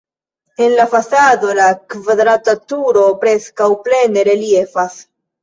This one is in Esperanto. En la fasado la kvadrata turo preskaŭ plene reliefas.